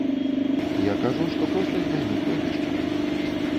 Я кажу, што проста змяню прозвішча.